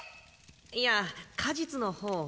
いや果実の方を。